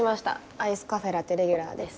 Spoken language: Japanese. アイスカフェラテレギュラーです。